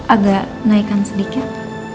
agak naikkan sedikit